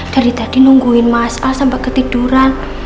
dari tadi nungguin mas al sampai ketiduran